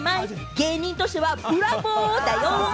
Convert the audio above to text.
芸人としてはブラボー！だよ。